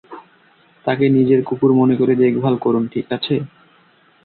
তাকে নিজের কুকুর মনে করে দেখভাল করুন, ঠিক আছে?